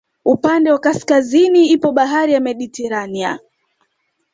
Upande wa kaskazini ipo bahari ya Mediterania